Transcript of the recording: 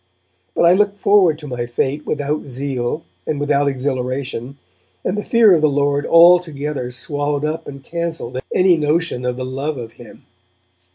But I looked forward to my fate without zeal and without exhilaration, and the fear of the Lord altogether swallowed up and cancelled any notion of the love of Him.